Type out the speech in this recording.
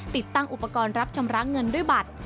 ติดตั้งอุปกรณ์รับชำระเงินด้วยบัตร